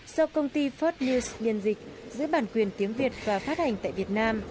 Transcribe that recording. do công ty first news biên dịch giữa bản quyền tiếng việt và phát hành tại việt nam